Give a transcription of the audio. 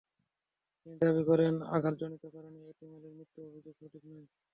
তিনি দাবি করেন, আঘাতজনিত কারণে এতিম আলীর মৃত্যুর অভিযোগ সঠিক নয়।